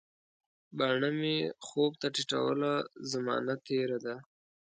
باڼه مي خوب ته ټیټوله، زمانه تیره ده